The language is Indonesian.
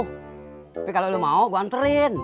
tapi kalau lo mau gue anterin